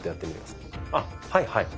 あはいはい。